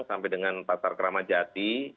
sampai dengan pasar kerama jati